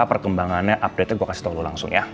perkembangannya update nya gue kasih tau dulu langsung ya